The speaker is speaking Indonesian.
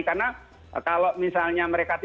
karena kalau misalnya mereka tidak